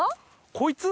こいつ？